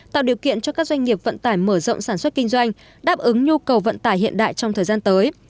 tạo điều kiện cho các doanh nghiệp vận tải mở rộng sản xuất kinh doanh đáp ứng nhu cầu vận tải hiện đại trong thời gian tới